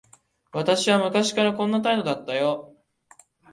私は昔からこんな態度だったよ。